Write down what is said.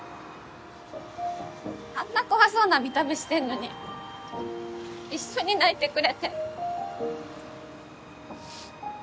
あんな怖そうな見た目してんのに一緒に泣いてくれて。